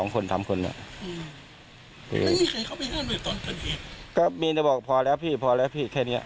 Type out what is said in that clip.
เขาก็มีบอกพอแล้วพี่เราพอแล้วพี่แค่เนี้ย